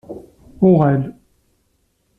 UƔal!